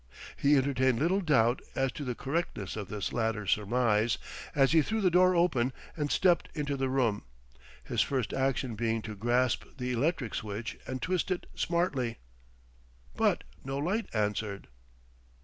He entertained little doubt as to the correctness of this latter surmise, as he threw the door open and stepped into the room, his first action being to grasp the electric switch and twist it smartly. But no light answered.